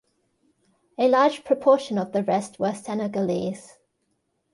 A large proportion of the rest were Senegalese.